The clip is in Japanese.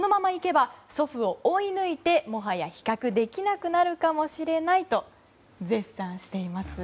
祖父を追い抜いて、もはや比較できなくなるかもしれないと絶賛しています。